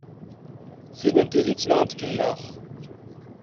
Ti n tidet neɣ n tkellax?